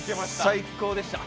最高でした。